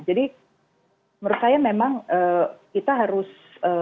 jadi menurut saya memang kita harus